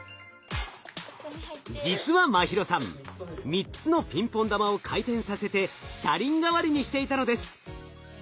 実は茉尋さん３つのピンポン玉を回転させて車輪代わりにしていたのです。